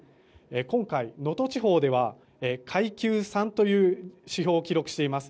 今回、能登地方では階級３という指標を記録しています。